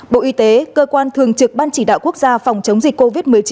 bộ y tế cơ quan thường trực ban chỉ đạo quốc gia phòng chống dịch covid một mươi chín